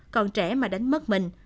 còn trẻ mà đánh mất mình